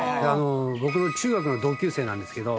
僕の中学の同級生なんですけど。